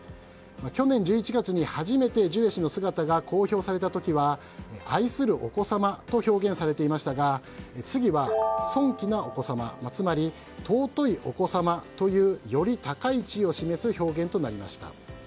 去年１１月に初めてジュエ氏の姿が公表された時は、愛するお子様と表現されていましたが尊貴なお子様つまり尊いお子様というより高い地位を示す表現となりました。